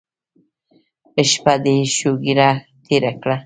شپه دې شوګیره تېره کړه.